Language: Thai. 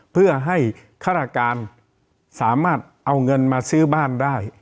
เพื่อให้ฆาตการสามารถเอาเงินมาซื้อบ้านได้